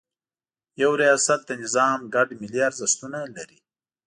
یو ریاست د نظام ګډ ملي ارزښتونه لري.